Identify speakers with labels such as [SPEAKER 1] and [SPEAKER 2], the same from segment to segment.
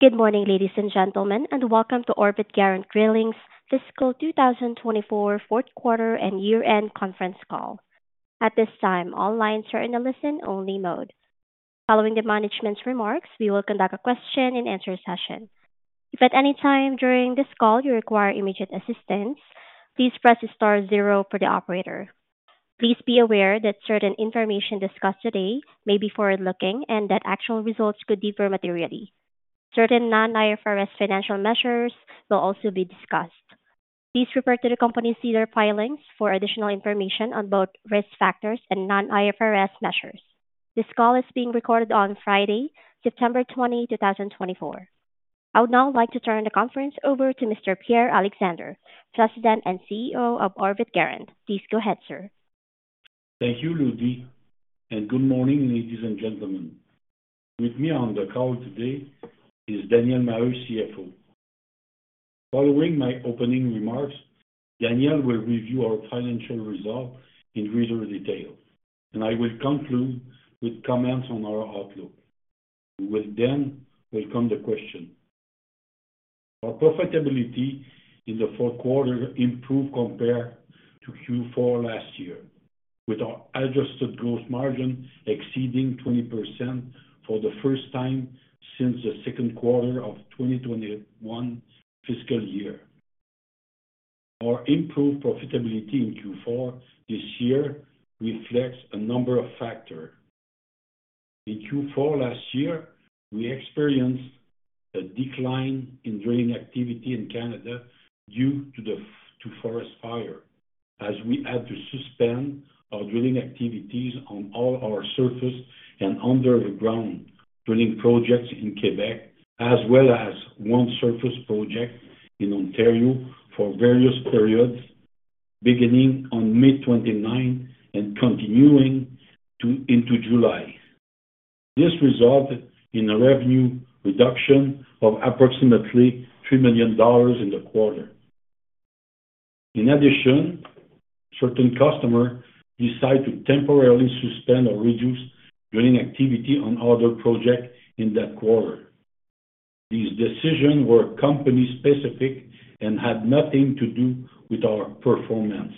[SPEAKER 1] Good morning, ladies and gentlemen, and welcome to Orbit Garant Drilling's fiscal 2024 fourth quarter and year-end conference call. At this time, all lines are in a listen-only mode. Following the management's remarks, we will conduct a question-and-answer session. If at any time during this call you require immediate assistance, please press star zero for the operator. Please be aware that certain information discussed today may be forward-looking and that actual results could differ materially. Certain non-IFRS financial measures will also be discussed. Please refer to the company's SEC filings for additional information on both risk factors and non-IFRS measures. This call is being recorded on Friday, September 20, 2024. I would now like to turn the conference over to Mr. Pierre Alexandre, President and CEO of Orbit Garant. Please go ahead, sir.
[SPEAKER 2] Thank you, Ludy, and good morning, ladies and gentlemen. With me on the call today is Daniel Maheu, CFO. Following my opening remarks, Daniel will review our financial results in greater detail, and I will conclude with comments on our outlook. We will then welcome the question. Our profitability in the fourth quarter improved compared to Q4 last year, with our adjusted gross margin exceeding 20% for the first time since the second quarter of 2021 fiscal year. Our improved profitability in Q4 this year reflects a number of factors. In Q4 last year, we experienced a decline in drilling activity in Canada due to the forest fires, as we had to suspend our drilling activities on all our surface and underground drilling projects in Québec, as well as one surface project in Ontario for various periods, beginning on May 29 and continuing into July. This resulted in a revenue reduction of approximately 3 million dollars in the quarter. In addition, certain customers decided to temporarily suspend or reduce drilling activity on other projects in that quarter. These decisions were company-specific and had nothing to do with our performance.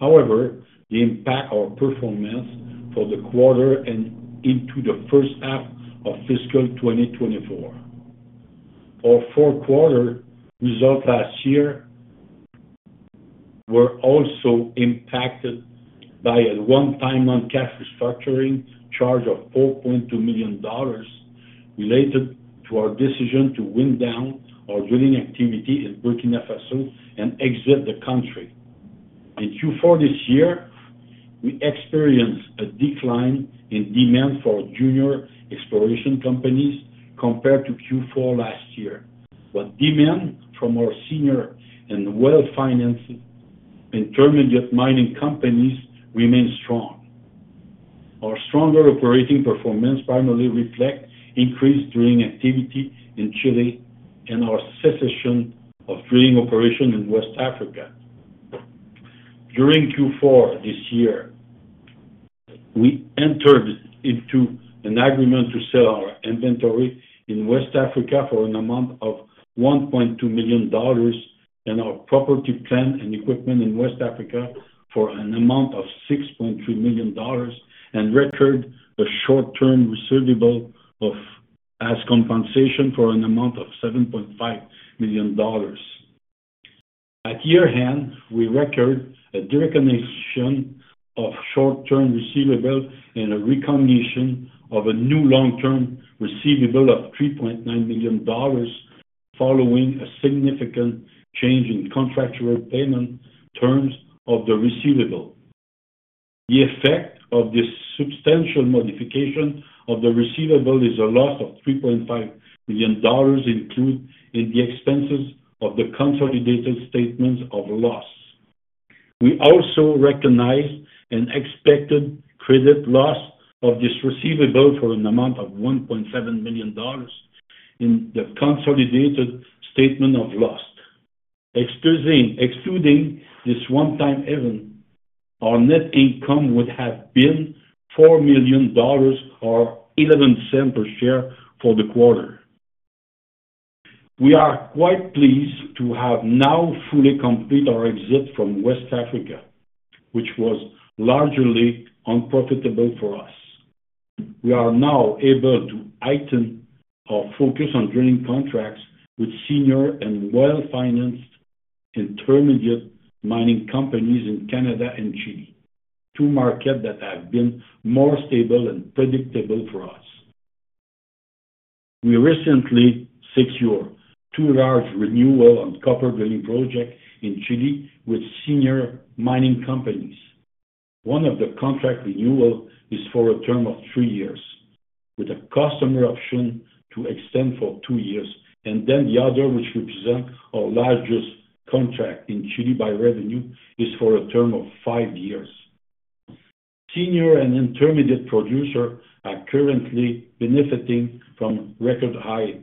[SPEAKER 2] However, they impacted our performance for the quarter and into the first half of fiscal 2024. Our fourth quarter results last year were also impacted by a one-time non-cash restructuring charge of 4.2 million dollars related to our decision to wind down our drilling activity in Burkina Faso and exit the country. In Q4 this year, we experienced a decline in demand for junior exploration companies compared to Q4 last year, but demand from our senior and well-financed intermediate mining companies remained strong. Our stronger operating performance primarily reflected increased drilling activity in Chile and our cessation of drilling operations in West Africa. During Q4 this year, we entered into an agreement to sell our inventory in West Africa for an amount of 1.2 million dollars and our property, plant, and equipment in West Africa for an amount of 6.3 million dollars, and record a short-term receivable of, as compensation for an amount of 7.5 million dollars. At year-end, we record a derecognition of short-term receivable and a recognition of a new long-term receivable of 3.9 million dollars, following a significant change in contractual payment terms of the receivable. The effect of this substantial modification of the receivable is a loss of 3.5 million dollars included in the expenses of the consolidated statements of loss. We also recognize an expected credit loss of this receivable for an amount of 1.7 million dollars in the consolidated statement of loss. Excluding this one-time event, our net income would have been 4 million dollars, or 0.11 per share for the quarter. We are quite pleased to have now fully complete our exit from West Africa, which was largely unprofitable for us. We are now able to heighten our focus on drilling contracts with senior and well-financed intermediate mining companies in Canada and Chile, two markets that have been more stable and predictable for us. We recently secured two large renewal on copper drilling project in Chile with senior mining companies. One of the contract renewal is for a term of three years, with a customer option to extend for two years, and then the other, which represent our largest contract in Chile by revenue, is for a term of five years. Senior and intermediate producer are currently benefiting from record-high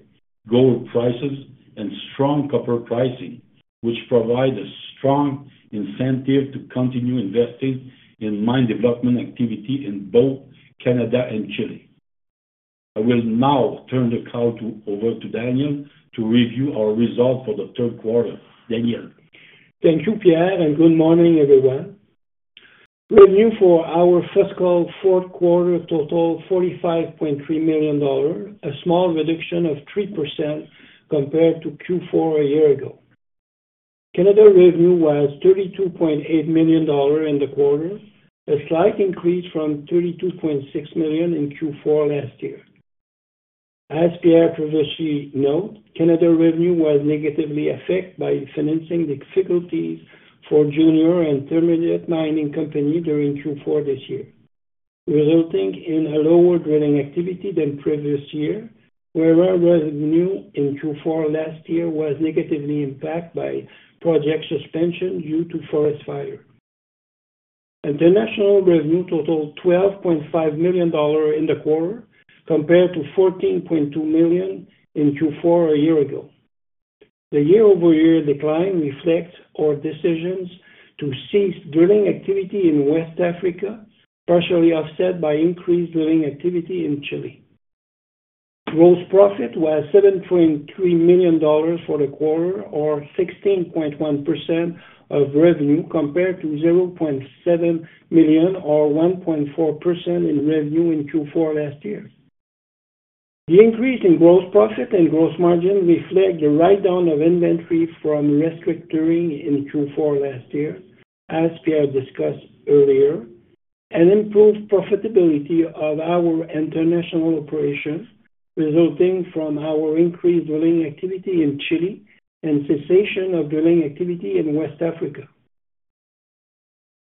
[SPEAKER 2] gold prices and strong copper pricing. which provide a strong incentive to continue investing in mine development activity in both Canada and Chile. I will now turn the call over to Daniel to review our results for the third quarter. Daniel?
[SPEAKER 3] Thank you, Pierre, and good morning, everyone. Revenue for our fiscal fourth quarter totaled 45.3 million dollars, a small reduction of 3% compared to Q4 a year ago. Canada revenue was 32.8 million dollars in the quarter, a slight increase from 32.6 million in Q4 last year. As Pierre previously noted, Canada revenue was negatively affected by financing difficulties for junior and intermediate mining companies during Q4 this year, resulting in a lower drilling activity than previous year, whereas revenue in Q4 last year was negatively impacted by project suspension due to forest fire. International revenue totaled 12.5 million dollar in the quarter, compared to 14.2 million in Q4 a year ago. The year-over-year decline reflects our decisions to cease drilling activity in West Africa, partially offset by increased drilling activity in Chile. Gross profit was 7.3 million dollars for the quarter, or 16.1% of revenue, compared to 0.7 million, or 1.4% in revenue in Q4 last year. The increase in gross profit and gross margin reflect the write-down of inventory from restructuring in Q4 last year, as Pierre discussed earlier, and improved profitability of our international operation, resulting from our increased drilling activity in Chile and cessation of drilling activity in West Africa.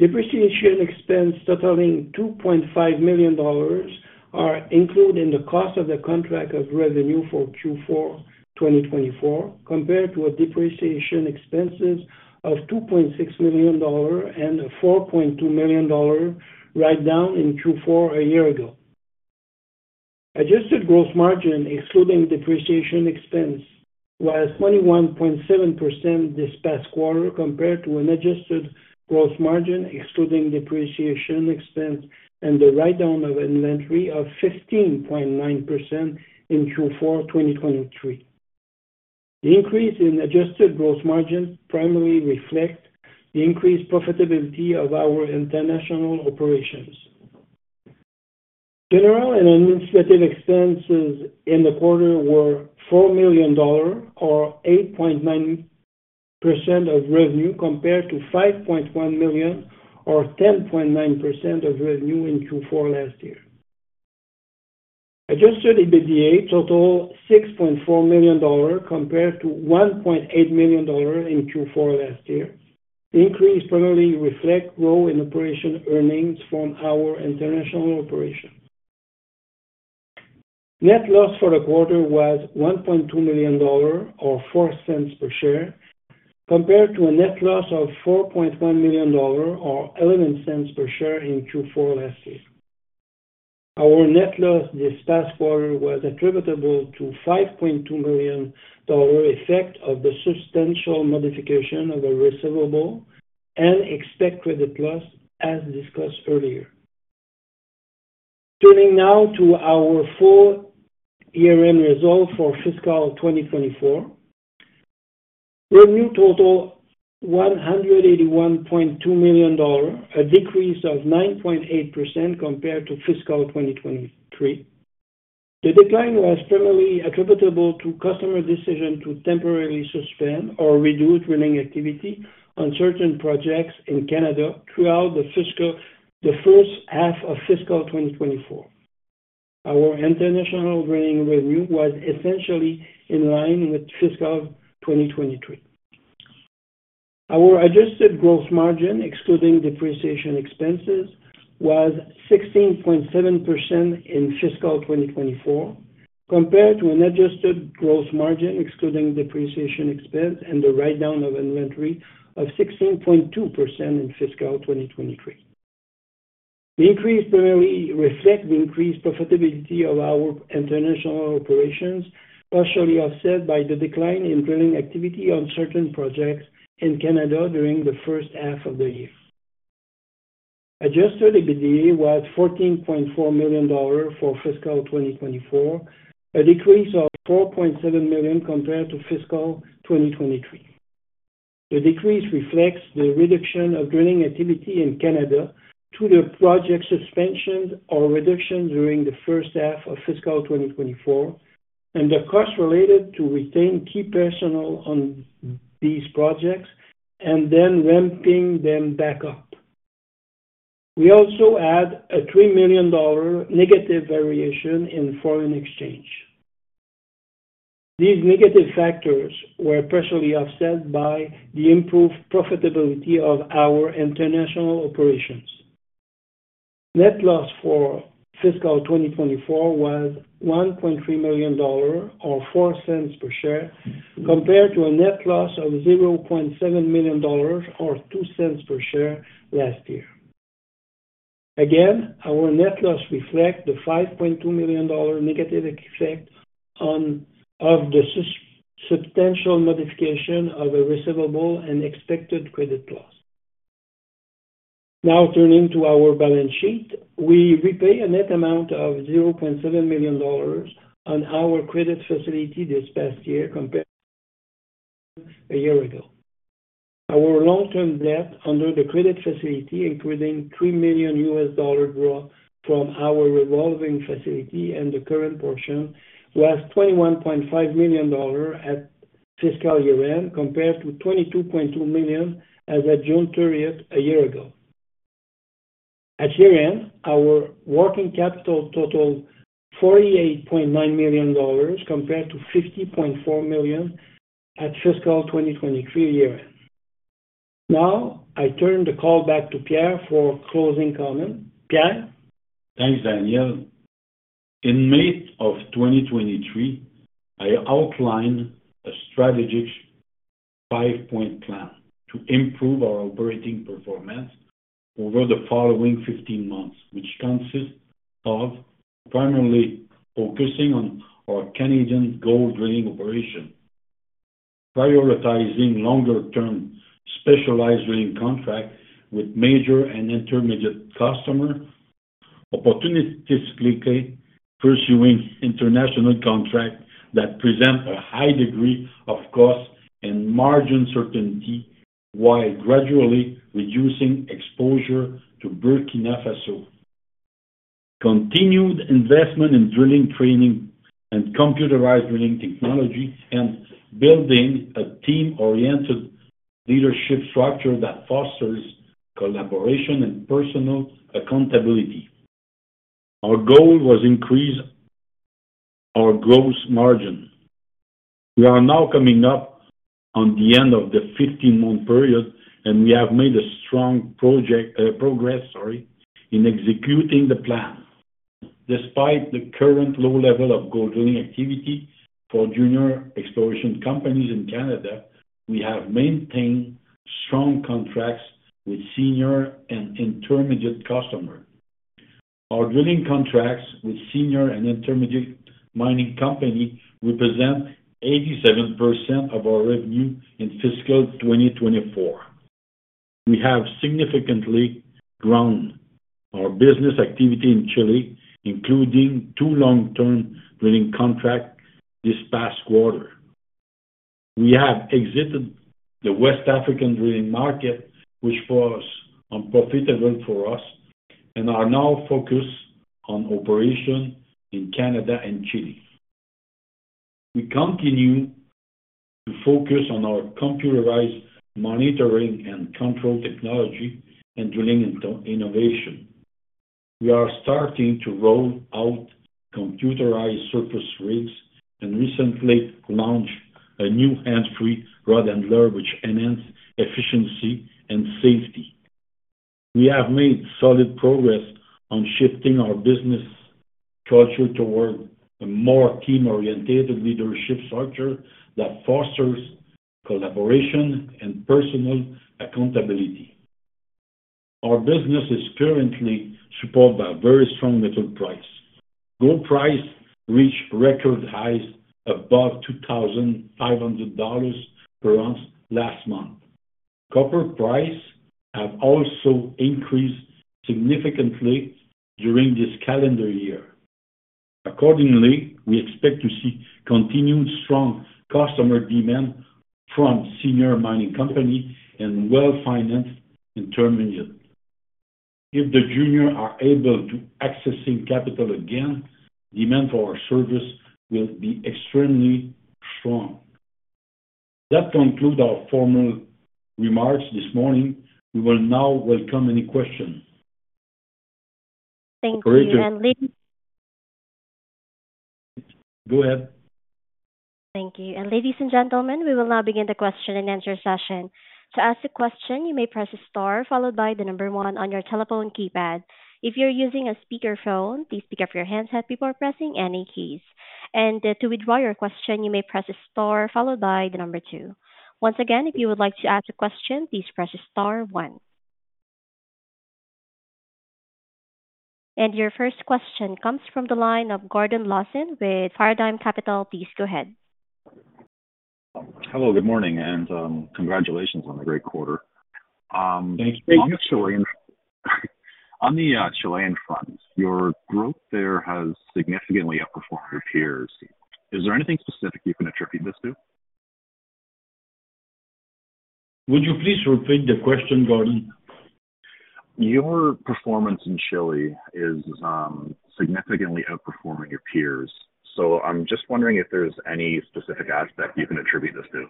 [SPEAKER 3] Depreciation expense totaling 2.5 million dollars are included in the cost of the contract of revenue for Q4 2024, compared to a depreciation expenses of 2.6 million dollar and a 4.2 million dollar write-down in Q4 a year ago. Adjusted gross margin, excluding depreciation expense, was 21.7% this past quarter, compared to an adjusted gross margin, excluding depreciation expense and the write-down of inventory, of 15.9% in Q4 2023. The increase in adjusted gross margin primarily reflect the increased profitability of our international operations. General and administrative expenses in the quarter were 4 million dollars, or 8.9% of revenue, compared to 5.1 million, or 10.9% of revenue, in Q4 last year. Adjusted EBITDA totaled 6.4 million dollars, compared to 1.8 million dollars in Q4 last year. The increase primarily reflect growth in operation earnings from our international operation. Net loss for the quarter was 1.2 million dollar, or 0.04 per share, compared to a net loss of 4.1 million dollar, or 0.11 per share, in Q4 last year. Our net loss this past quarter was attributable to 5.2 million dollar effect of the substantial modification of a receivable and expected credit loss, as discussed earlier. Turning now to our full year-end results for fiscal 2024. Revenue totaled 181.2 million dollars, a decrease of 9.8% compared to fiscal 2023. The decline was primarily attributable to customer decision to temporarily suspend or reduce drilling activity on certain projects in Canada throughout the first half of fiscal 2024. Our international drilling revenue was essentially in line with fiscal 2023. Our adjusted gross margin, excluding depreciation expenses, was 16.7% in fiscal 2024, compared to an adjusted gross margin, excluding depreciation expense and the write-down of inventory, of 16.2% in fiscal 2023. The increase primarily reflect the increased profitability of our international operations, partially offset by the decline in drilling activity on certain projects in Canada during the first half of the year. Adjusted EBITDA was 14.4 million dollars for fiscal 2024, a decrease of 4.7 million compared to fiscal 2023. The decrease reflects the reduction of drilling activity in Canada to the project suspensions or reductions during the first half of fiscal 2024, and the costs related to retain key personnel on these projects and then ramping them back up. We also add a 3 million dollar negative variation in foreign exchange. These negative factors were partially offset by the improved profitability of our international operations. Net loss for fiscal 2024 was 1.3 million dollar, or 0.04 per share, compared to a net loss of 0.7 million dollars, or 0.02 per share, last year. Again, our net loss reflect the 5.2 million dollar negative effect on of the substantial modification of a receivable and expected credit loss. Now turning to our balance sheet. We repay a net amount of 0.7 million dollars on our credit facility this past year compared a year ago. Our long-term debt under the credit facility, including $3 million draw from our revolving facility and the current portion, was 21.5 million dollar at fiscal year-end, compared to 22.2 million as at June 30th a year ago. At year-end, our working capital totaled 48.9 million dollars, compared to 50.4 million at fiscal 2023 year-end. Now, I turn the call back to Pierre for closing comments. Pierre?
[SPEAKER 2] Thanks, Daniel. In May of 2023, I outlined a strategic 5-point plan to improve our operating performance over the following 15 months, which consist of primarily focusing on our Canadian gold drilling operation, prioritizing longer-term specialized drilling contract with major and intermediate customer, opportunistically pursuing international contract that present a high degree of cost and margin certainty, while gradually reducing exposure to Burkina Faso. Continued investment in drilling, training, and computerized drilling technology, and building a team-oriented leadership structure that fosters collaboration and personal accountability. Our goal was increase our gross margin. We are now coming up on the end of the 15-month period, and we have made a strong progress in executing the plan. Despite the current low level of gold drilling activity for junior exploration companies in Canada, we have maintained strong contracts with senior and intermediate customer. Our drilling contracts with senior and intermediate mining companies represent 87% of our revenue in fiscal 2024. We have significantly grown our business activity in Chile, including two long-term drilling contracts this past quarter. We have exited the West African drilling market, which was unprofitable for us, and are now focused on operations in Canada and Chile. We continue to focus on our computerized monitoring and control technology and drilling innovation. We are starting to roll out computerized surface rigs and recently launched a new hands-free rod handler, which enhance efficiency and safety. We have made solid progress on shifting our business culture toward a more team-oriented leadership structure that fosters collaboration and personal accountability. Our business is currently supported by a very strong metal price. Gold price reached record highs above 2,500 dollars per ounce last month. Copper prices have also increased significantly during this calendar year. Accordingly, we expect to see continued strong customer demand from senior mining companies and well-financed intermediates. If the juniors are able to access capital again, demand for our services will be extremely strong. That concludes our formal remarks this morning. We will now welcome any questions.
[SPEAKER 1] Thank you, and Lady.
[SPEAKER 2] Go ahead.
[SPEAKER 1] Thank you. And ladies and gentlemen, we will now begin the question-and-answer session. To ask a question, you may press star followed by the number one on your telephone keypad. If you're using a speakerphone, please pick up your handset before pressing any keys. And, to withdraw your question, you may press star followed by the number two. Once again, if you would like to ask a question, please press star one. And your first question comes from the line of Gordon Lawson with Paradigm Capital. Please go ahead.
[SPEAKER 4] Hello, good morning, and congratulations on the great quarter.
[SPEAKER 2] Thank you.
[SPEAKER 4] On the Chilean front, your growth there has significantly outperformed your peers. Is there anything specific you can attribute this to?
[SPEAKER 3] Would you please repeat the question, Gordon?
[SPEAKER 4] Your performance in Chile is significantly outperforming your peers, so I'm just wondering if there's any specific aspect you can attribute this to.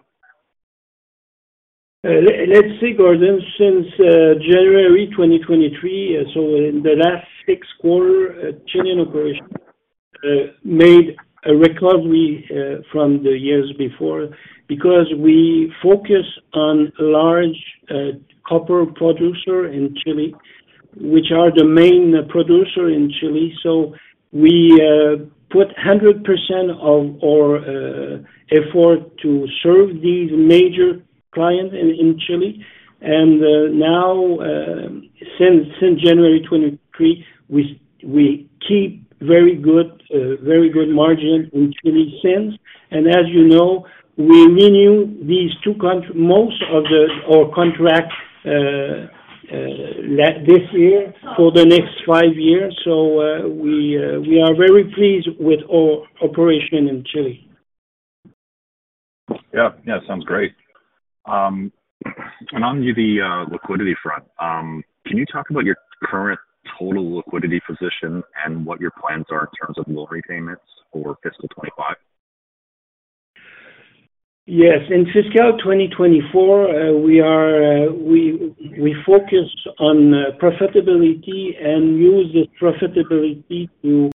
[SPEAKER 3] Let's see, Gordon, since January 2023, so in the last six quarters, Chilean operations made a recovery from the years before, because we focus on large copper producers in Chile, which are the main producers in Chile. So we put 100% of our effort to serve these major clients in Chile. And now, since January 2023, we keep very good margins in Chile since. And as you know, we renewed most of our contracts last year for the next five years. So we are very pleased with our operations in Chile.
[SPEAKER 4] Yeah. Yeah, sounds great. And on the liquidity front, can you talk about your current total liquidity position and what your plans are in terms of loan repayments for fiscal 2025?
[SPEAKER 3] Yes. In fiscal 2024, we focused on profitability and use the profitability to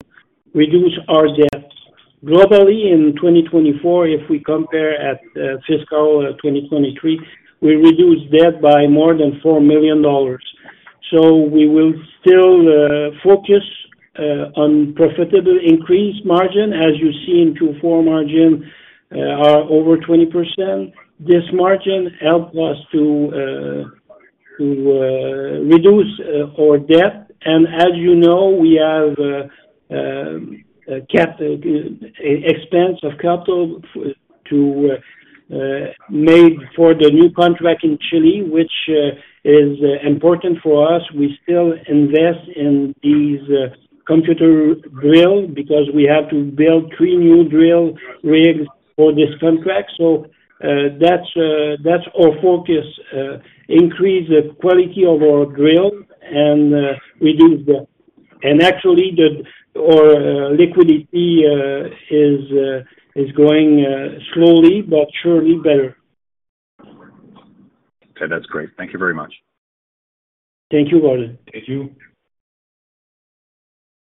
[SPEAKER 3] reduce our debt. Globally, in 2024, if we compare to fiscal 2023, we reduced debt by more than 4 million dollars. So we will still focus on profitable increase margin, as you see in Q4 margin are over 20%. This margin help us to reduce our debt. And as you know, we have CapEx to make for the new contract in Chile, which is important for us. We still invest in these computerized drill, because we have to build three new drill rigs for this contract. So that's our focus, increase the quality of our drill and reduce debt. Actually, our liquidity is going slowly but surely better.
[SPEAKER 4] Okay, that's great. Thank you very much.
[SPEAKER 3] Thank you, Gordon.
[SPEAKER 4] Thank you.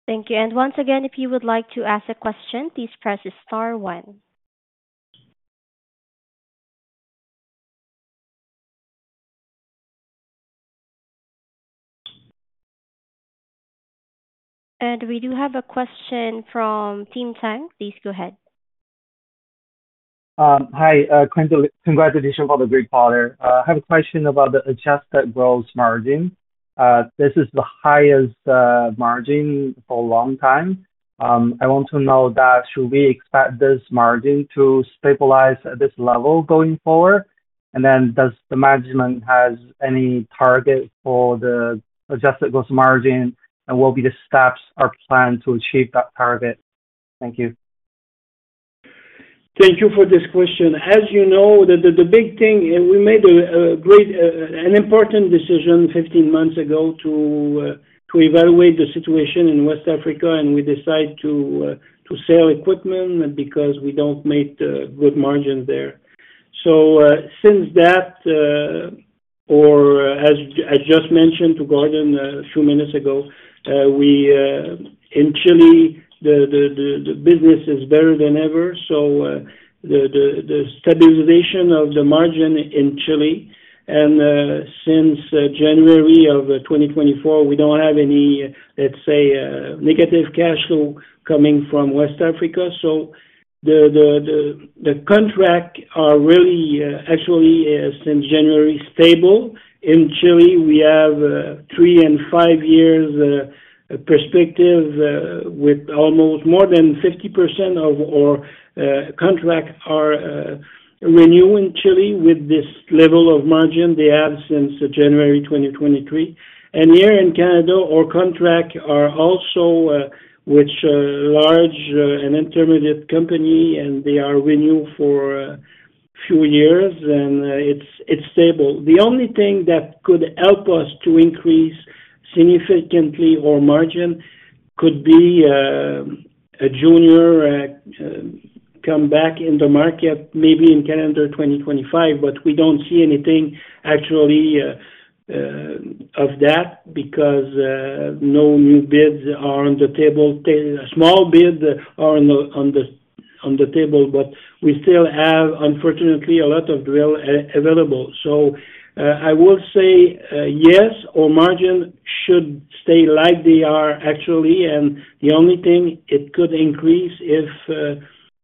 [SPEAKER 1] Thank you. And once again, if you would like to ask a question, please press star one. And we do have a question from Tim Tang. Please go ahead. Hi, congratulations on the great quarter. I have a question about the adjusted gross margin. This is the highest margin for a long time. I want to know that, should we expect this margin to stabilize at this level going forward? And then does the management has any target for the adjusted gross margin, and what will be the steps or plan to achieve that target? Thank you.
[SPEAKER 3] Thank you for this question. As you know, the big thing, and we made a great, an important decision 15-months ago to evaluate the situation in West Africa, and we decide to sell equipment because we don't make good margin there. So, since that, or as I just mentioned to Gordon a few minutes ago, we in Chile, the business is better than ever. So, the stabilization of the margin in Chile, and since January of 2024, we don't have any, let's say, negative cash flow coming from West Africa. So the contract are really, actually, since January, stable. In Chile, we have three and five years perspective with almost more than 50% of our contract are renew in Chile with this level of margin they have since January 2023. And here in Canada, our contract are also which are large and intermediate company and they are renew for a few years and it's stable. The only thing that could help us to increase significantly our margin could be a junior come back in the market maybe in calendar 2025 but we don't see anything actually of that because no new bids are on the table. Small bids are on the table but we still have unfortunately a lot of drill available. I will say yes, our margin should stay like they are actually, and the only thing it could increase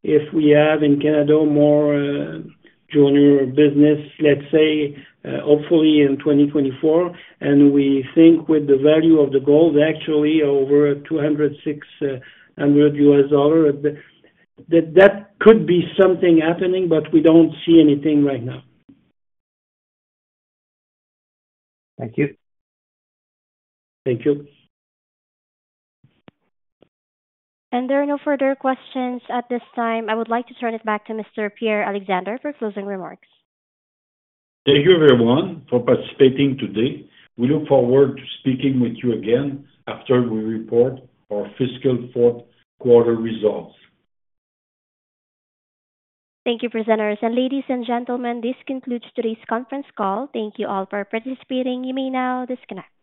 [SPEAKER 3] if we have in Canada more junior business, let's say, hopefully in 2024, and we think with the value of the gold actually over $2,600, that could be something happening, but we don't see anything right now. Thank you. Thank you.
[SPEAKER 1] There are no further questions at this time. I would like to turn it back to Mr. Pierre Alexandre for closing remarks.
[SPEAKER 2] Thank you, everyone, for participating today. We look forward to speaking with you again after we report our fiscal fourth quarter results.
[SPEAKER 1] Thank you, presenters, and ladies and gentlemen, this concludes today's conference call. Thank you all for participating. You may now disconnect.